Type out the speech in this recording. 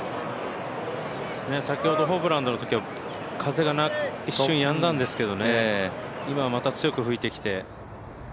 先ほどホブランドのときは風が一瞬やんだんですけど今はまた強く吹いてきて。